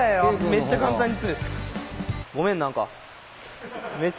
めっちゃ簡単に釣れた。